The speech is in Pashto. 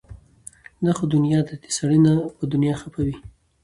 دا خو دنيا ده د سړي نه به دنيا خفه وي